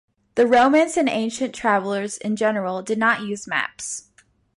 The Romans and ancient travelers in general did not use maps.